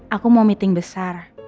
aku mau meeting besar